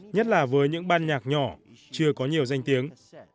nhất là với những ban nhạc nhỏ chưa có nhiều danh tiếng